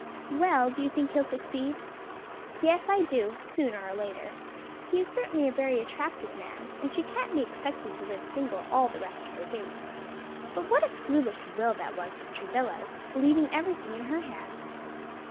"Well, do you think he'll succeed?" "Yes, I do; sooner or later. He is certainly a very attractive man, and she can't be expected to live single all the rest of her days. But what a foolish will that was of Travilla's leaving everything in her hands!"